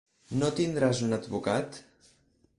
No tindràs un advocat?